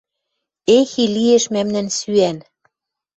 Эх, и лиэш мӓмнӓн сӱӓн!